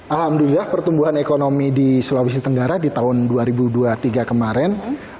alhamdulillah pertumbuhan ekonomi di sulawesi tenggara di tahun dua ribu dua puluh tiga kemarin